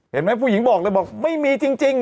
เห็นไหมผู้หญิงบอกเลยบอกไม่มีจริง